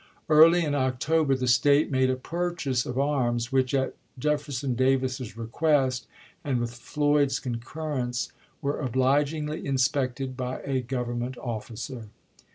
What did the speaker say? Early in October the State made a purchase of arms, which at Jefferson Davis's request, and with Floyd's concurrence, were obligingly inspected by a Government officer.